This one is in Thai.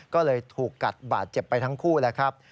ก็เลยถูกกัดบาดเจ็บไปทั้งคู่แล้วครับ